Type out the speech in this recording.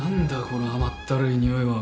この甘ったるいにおいは。